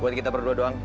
buat kita berdua doang